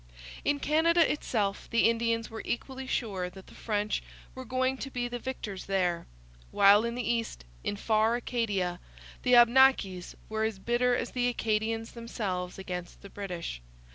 In Canada itself the Indians were equally sure that the French were going to be the victors there; while in the east, in far Acadia, the Abnakis were as bitter as the Acadians themselves against the British.